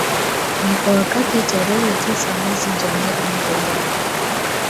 na kwa wakati tarehe tisa mwezi januari mwaka ujao